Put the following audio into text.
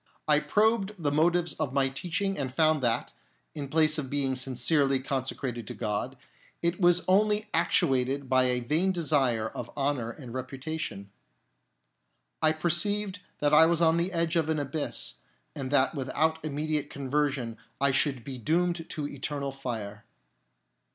I probed the motives of my teaching and found that, in place of being sincerely consecrated to God, it was only actuated by a vain desire of honour and reputation. I perceived that I was on the edge of an abyss, and that without an immediate conversion I should be doomed to eternal fire.